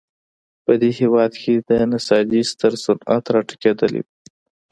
په دې هېواد کې د نساجۍ ستر صنعت راټوکېدلی و.